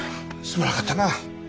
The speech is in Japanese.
すまなかったなぁ。